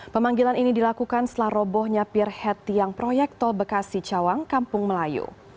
pemanggilan ini dilakukan selarobohnya pir hetiang proyek tol bekasi cawang kampung melayu